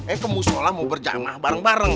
eh ke musola mau berjamaah bareng bareng